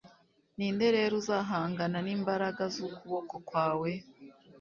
ni nde rero uzahangana n'imbaraga z'ukuboko kwawe